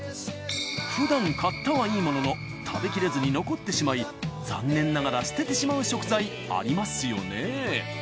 普段買ったはいいものの食べ切れずに残ってしまい残念ながら捨ててしまう食材ありますよね。